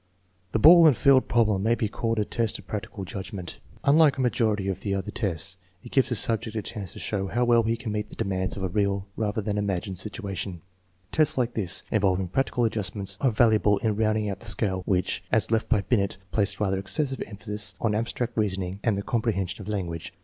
The ball and field problem may be called a test of practical judgment. Unlike a majority of the other tests, it gives the subject a chance to show how well he can meet the demands of a real, rather than an imagined, situation. Tests like this, involving practical adjustments, are valuable in rounding out the scale, which, as left by Binet, placed rather excessive emphasis on abstract rea TEST NO. VEI, 2 213 soning and the comprehension of language.